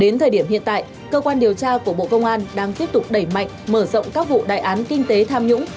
đến thời điểm hiện tại cơ quan điều tra của bộ công an đang tiếp tục đẩy mạnh mở rộng các vụ đại án kinh tế tham nhũng